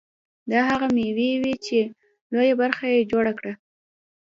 دا هغه مېوې وې چې لویه برخه یې جوړه کړه.